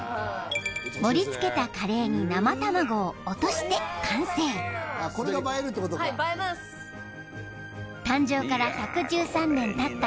盛りつけたカレーに生卵を落として完成誕生から１１３年たった